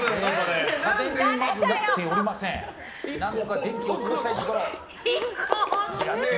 何とか電気を通したいところ。